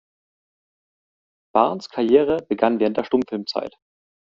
Barnes Karriere begann während der Stummfilmzeit.